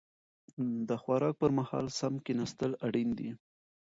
د خوراک پر مهال سم کيناستل اړين دي.